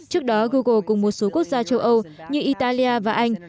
trước đó google cùng một số quốc gia châu âu như italia và anh